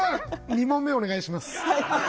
２問目お願いします。